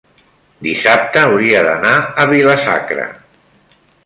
dissabte hauria d'anar a Vila-sacra.